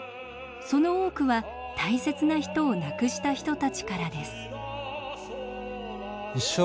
その多くは大切な人を亡くした人たちからです。